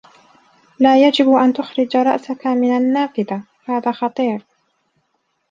لا يجب أن تخرج رأسك من النّافذة. هذا خطير.